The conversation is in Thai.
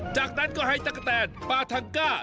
จากนั้นก็ให้ตะกะแตนปาทังก้า